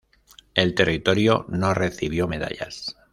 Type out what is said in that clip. El territorio no recibió medallas.